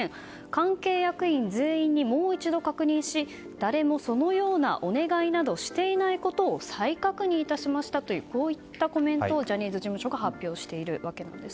関係役員全員に、もう一度確認し誰もそのようなお願いなどしていないことを再確認いたしましたというコメントをジャニーズ事務所が発表しているわけです。